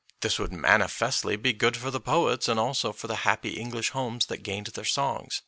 This would manifestly be good for the poets, and also for the happy English homes that gained their songs.